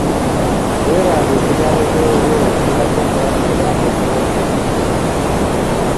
Beera ng'ekigambo ky'oyogera okiteekako omulaka era ng'ofuba okukituukiriza.